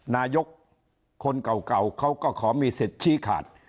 นายกคนเก่าเขาก็ขอมีสิทธิ์ชี้ขาด